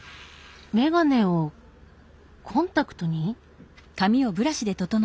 眼鏡をコンタクトに？